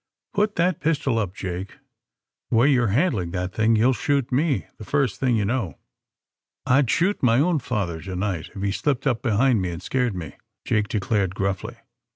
Put that pistol up, Jake. The way you're handling that thing you'll shoot me, the first thing you know. '' '^I'd shoot my own father to night, if he slipped up behind me and scared me, '' Jake de clared gruffly.